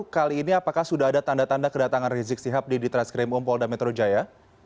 kali ini apakah sudah ada tanda tanda kedatangan rizik sihab di di treskrim umpolda metro jaya